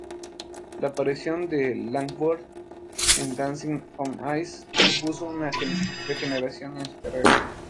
La aparición de Langford en "Dancing on Ice" supuso una regeneración en su carrera.